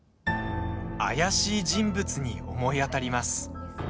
怪しい人物に思い当たります。